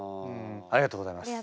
ありがとうございます。